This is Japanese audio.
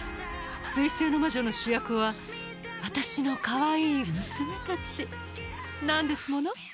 「水星の魔女」の主役は私のかわいい娘たちなんですもの